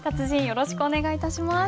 よろしくお願いします。